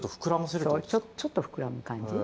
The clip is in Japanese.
そうちょっと膨らむ感じ？